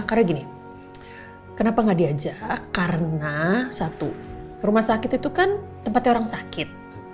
karena gini kenapa gak diajak karena satu rumah sakit itu kan tempatnya orang sakit